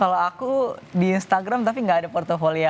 kalau aku di instagram tapi gak ada portfolia